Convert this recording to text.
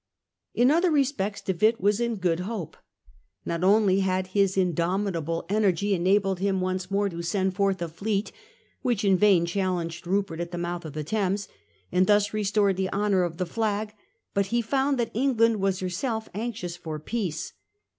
In other respects De Witt was in good hope. Not only had his indomitable energy enabled him once more to send forth a fleet which in vain challenged Rupert at the mouth of the Thames, and thus restored the honour England of the flag, but he found that England was her pcace U Jan se ^ anx i° us f° r peace.